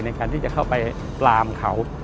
ในการที่จะเข้าไปปลามเขา